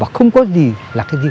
không có gì là nossa